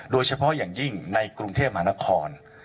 โดยเฉพาะอย่างยิ่งในกรุงเทพมหานคร